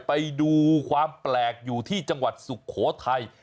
ไปดูความแปลกอยู่ที่จังหวัดสุโขทัย